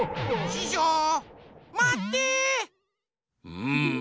うん。